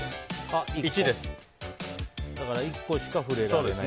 １個しか触れられない。